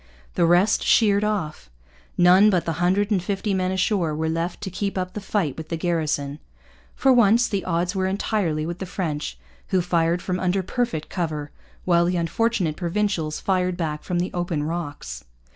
The rest sheered off. None but the hundred and fifty men ashore were left to keep up the fight with the garrison. For once the odds were entirely with the French, who fired from under perfect cover, while the unfortunate Provincials fired back from the open rocks.